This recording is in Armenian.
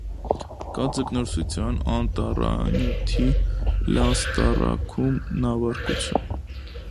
Կա ձկնորսություն, անտառանյութի լաստառաքում, նավարկություն։